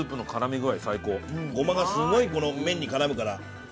ゴマがすごいこの麺に絡むから。